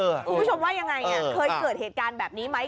คุณผู้ชมว่ายังไงคุยเกิดเหตุการณ์แบบนี้ไหม